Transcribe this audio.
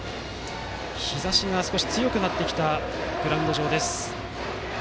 日差しが少し強くなってきたグラウンド上。